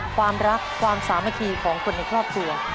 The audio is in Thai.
ความรักความสามัคคีของคนในครอบครัว